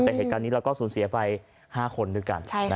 แต่เหตุการณ์นี้เราก็สูญเสียไป๕คนด้วยกัน